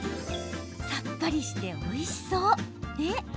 さっぱりして、おいしそう。